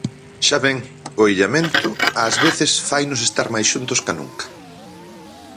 Xa ven, o illamento, ás veces, fainos estar máis xuntos ca nunca.